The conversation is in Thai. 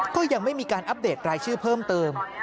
ก็ยังไม่มีการอัปเดตรายชื่อเพิ่มเติม